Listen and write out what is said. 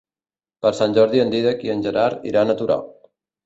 Per Sant Jordi en Dídac i en Gerard iran a Torà.